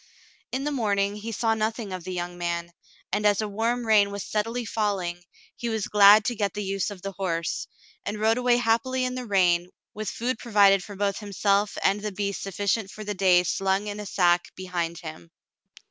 In the morning he saw nothing of the young man, and as a warm rain was steadily falling, he was glad to get the use of the horse, and rode away happily in the rain, mth food provided for both himself and the beast sufficient for the day slung in a sack behind him.